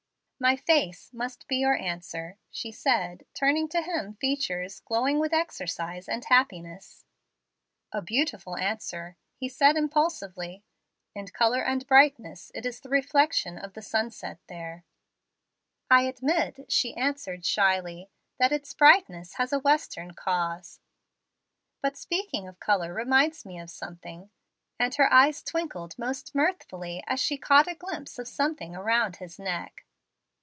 "My face must be your answer," she said, turning to him features glowing with exercise and happiness. "A beautiful answer," he said impulsively. "In color and brightness it is the reflection of the sunset there." "I admit," she answered shyly, "that its brightness has a western cause. But speaking of color reminds me of something;" and her eyes twinkled most mirthfully as she caught a glimpse of something around his neck.